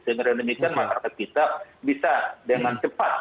dengan demikian masyarakat kita bisa dengan cepat